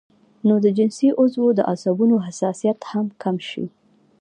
نو د جنسي عضو د عصبونو حساسيت هم کم شي